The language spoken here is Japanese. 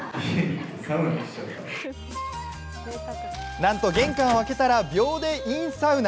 なんと玄関開けたら秒でイン・サウナ。